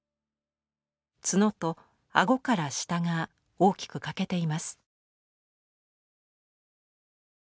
角と顎から下が大きく欠けています。